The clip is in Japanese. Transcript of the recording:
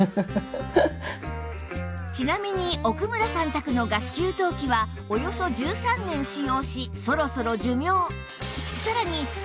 ちなみに奥村さん宅のガス給湯器はおよそ１３年使用しそろそろ寿命